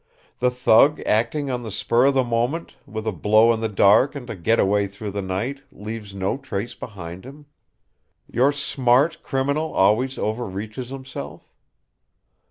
The thug, acting on the spur of the moment, with a blow in the dark and a getaway through the night, leaves no trace behind him. Your "smart criminal" always overreaches himself.'